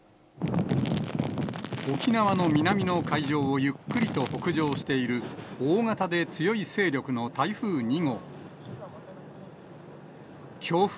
沖縄の南の海上をゆっくりと北上している大型で強い勢力の台風２号。